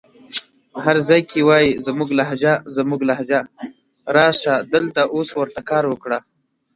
هر ځای کې وايې زموږ لهجه زموږ لهجه راسه دلته اوس ورته کار وکړه